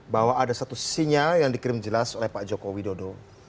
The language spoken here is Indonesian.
bahwa ada satu sinyal yang dikirim jelas oleh pak joko widodo